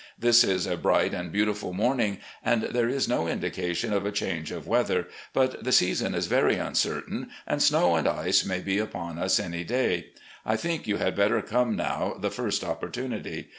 This is a bright and beautiful morning, and there is no indication of a change of weather, but the season is very uncertain, and snow and ice may be upon us any day. I think you had better come now the first opportunity.